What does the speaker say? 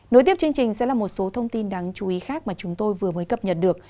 nối tiếp chương trình sẽ là một số thông tin đáng chú ý khác mà chúng tôi vừa mới cập nhật được